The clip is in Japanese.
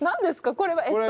これは。えっと。